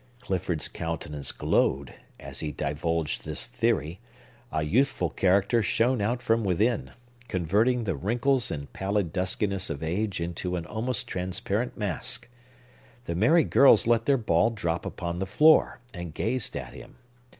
Clifford's countenance glowed, as he divulged this theory; a youthful character shone out from within, converting the wrinkles and pallid duskiness of age into an almost transparent mask. The merry girls let their ball drop upon the floor, and gazed at him.